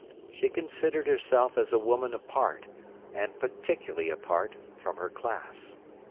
She considered herself as a woman apart, and particularly apart, from her class.